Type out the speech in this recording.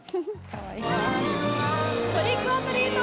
トリック・オア・トリート！